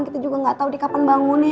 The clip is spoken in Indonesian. kita juga gak tau dikapan bangunnya